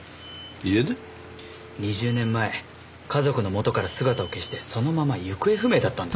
２０年前家族の元から姿を消してそのまま行方不明だったんですよ。